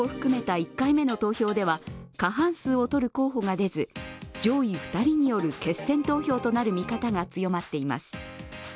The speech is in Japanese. １回目の投票では過半数を取る候補が出ず、上位２人による決選投票となる見方が強まっています。